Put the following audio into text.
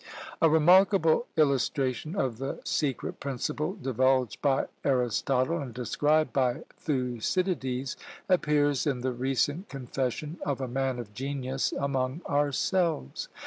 A remarkable illustration of the secret principle divulged by Aristotle, and described by Thucydides, appears in the recent confession of a man of genius among ourselves.